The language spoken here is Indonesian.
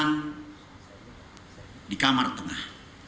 muntahan di kamar tengah